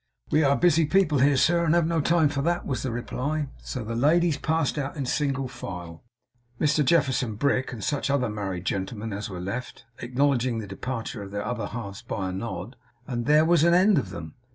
'We are a busy people here, sir, and have no time for that,' was the reply. So the ladies passed out in single file; Mr Jefferson Brick and such other married gentlemen as were left, acknowledging the departure of their other halves by a nod; and there was an end of THEM.